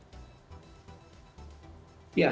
atau seperti apa mekanismenya